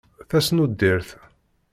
Tasnuddirt.